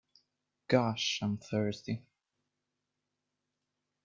Gosh, I'm thirsty.